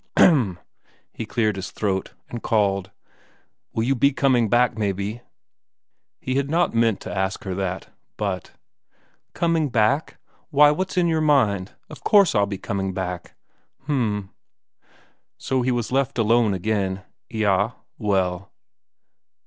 "Hem!" He cleared his throat, and called, "Will you be coming back maybe?" He had not meant to ask her that, but.... "Coming back? Why, what's in your mind? Of course I'll be coming back." "H'm." So he was left alone again eyah, well